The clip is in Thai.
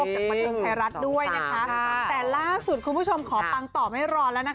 จากบันเทิงไทยรัฐด้วยนะคะแต่ล่าสุดคุณผู้ชมขอปังต่อไม่รอแล้วนะคะ